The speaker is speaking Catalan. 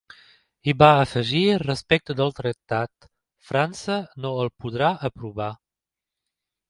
I va afegir respecte del tractat: ‘França no el podrà aprovar’.